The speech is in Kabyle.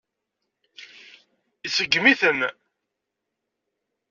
Iseggem-iten.